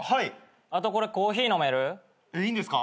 あとこれコーヒー飲める？いいんですか？